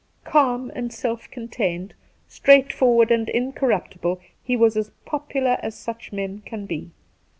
Calm and self contained, straightforward and in corruptible, he was as popular as such men can be.